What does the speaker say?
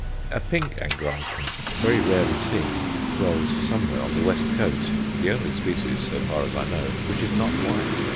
A pink Angræcum, very rarely seen, dwells somewhere on the West Coast; the only species, so far as I know, which is not white.